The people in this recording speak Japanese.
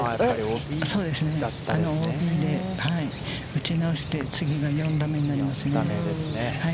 打ち直して、次が４打目になりますね。